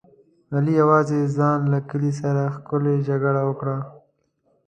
علي یوازې ځان له کلي سره ښکلې جګړه وکړه.